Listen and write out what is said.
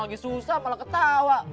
lagi susah malah ketawa